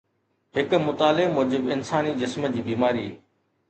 هڪ مطالعي موجب، انساني جسم جي بيماري